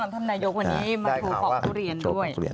ท่านนี้มาถูกปอกทุเรียนด้วย